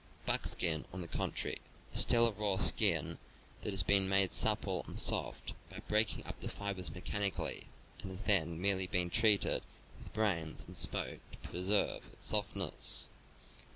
Buckskin, on the contrary, is still a raw skin that has been made supple and soft by breaking up the fibers mechanically and has then merely been treated with brains and smoke to preserve its softness.